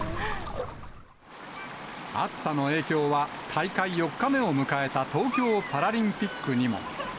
暑さの影響は、大会４日目を迎えた東京パラリンピックにも。